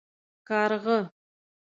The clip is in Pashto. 🐦⬛ کارغه